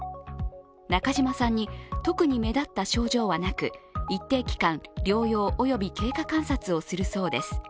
中島さんに特に目立った症状はなく一定期間、療養及び経過観察をするそうです。